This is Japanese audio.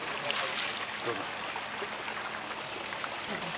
どうぞ。